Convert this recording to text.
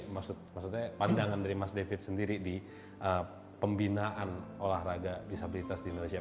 maksud saya pandangan dari mas david sendiri di pembinaan olahraga disabilitas di indonesia